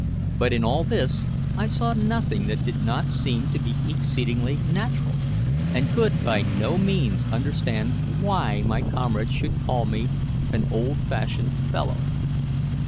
But in all this I saw nothing that did not seem to be exceedingly natural, and could by no means understand why my comrades should call me "an old fashioned fellow."